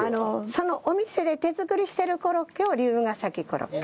そのお店で手作りしてるコロッケを龍ケ崎コロッケ。